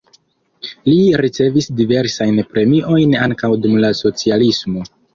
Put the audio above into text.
Li ricevis diversajn premiojn ankaŭ dum la socialismo.